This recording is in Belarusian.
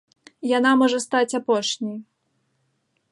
Яна можа стаць апошняй.